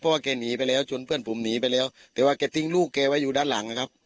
เพราะว่าแกหนีไปแล้วจนเพื่อนผมหนีไปแล้วแต่ว่าแกทิ้งลูกแกไว้อยู่ด้านหลังนะครับ